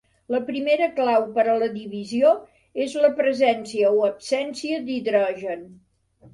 La primera clau per a la divisió és la presència o absència d'hidrogen.